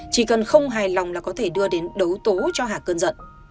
chỉ cần không hài lòng là có thể đưa đến đấu tố cho hà cơn giận